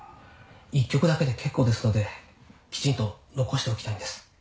１曲だけで結構ですのできちんと残しておきたいんです。